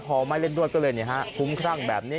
พอไม่เล่นด้วยก็เลยคุ้มครั่งแบบนี้